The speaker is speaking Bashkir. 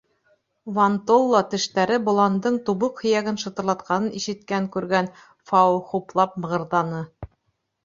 Вон-толла тештәре боландың тубыҡ һөйәген шытырлатҡанын ишеткән-күргән Фао хуплап мығырҙаны: